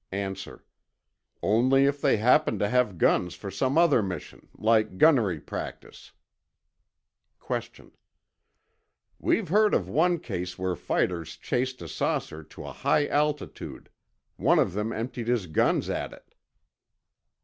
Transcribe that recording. A. Only if they happened to have guns for some other mission, like gunnery practice. Q. We've heard of one case where fighters chased a saucer to a high altitude. One of them emptied his guns at it.